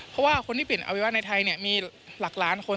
เพราะว่าคนที่เปลี่ยนอวัยวะในไทยมีหลักล้านคน